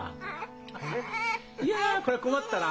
いやこりゃ困ったな。